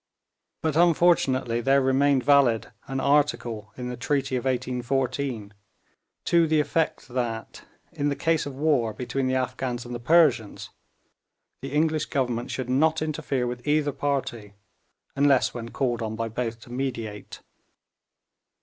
But unfortunately there remained valid an article in the treaty of 1814 to the effect that, in case of war between the Afghans and the Persians, the English Government should not interfere with either party unless when called on by both to mediate.